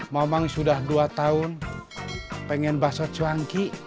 mamang sudah dua tahun pengen baso cuanki